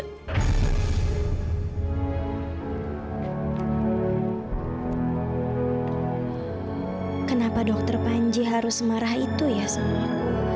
kenapa dokter panji harus marah itu ya semua